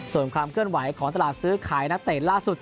ส่วนความเคลื่อนไหวของตลาดซื้อขายนักเตะล่าสุด